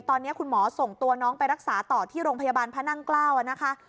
ตอนนี้คุณหมอส่งตัวน้องไปรักษาต่อที่โรงพยาบาลพระนั่งเกล้านะคะ